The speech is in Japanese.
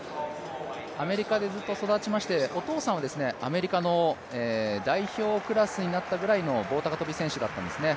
アメリカでずっと育ちましてお父さんはアメリカの代表クラスになったくらいの棒高跳選手だったんですね。